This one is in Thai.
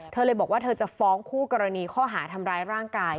เธอเลยบอกว่าเธอจะฟ้องคู่กรณีข้อหาทำร้ายร่างกาย